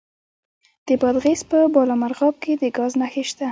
د بادغیس په بالامرغاب کې د ګاز نښې شته.